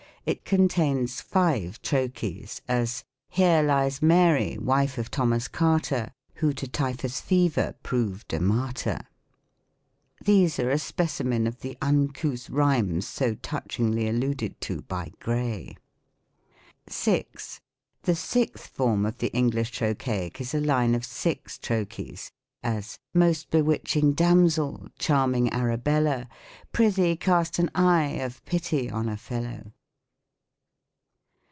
It contains five trochees : as, " Here lies Mary, wife of Thomas Carter, Who to typhus fever proved a martyr." These are a specimen of the " uncouth rhymes" so touchingly alluded to by Gray. 6. The sixth form of the English Trochaic is a line of six trochees : as, " Most bewitching damsel, charming Arabella, Prithee, cast an eye of pity on a fellow."